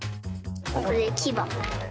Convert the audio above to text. これきば。